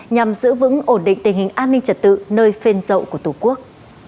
nhằm giữ vững ổn định tình hình an ninh trật tự nơi phên dậu của tổ quốc